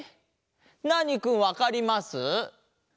ナーニくんわかります？